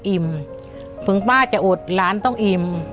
คนที่สองชื่อน้องก็เอาหลานมาให้ป้าวันเลี้ยงสองคน